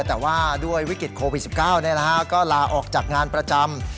แต่ว่าด้วยวิกฤตโควิด๑๙ก็ลาออกจากงานประจำ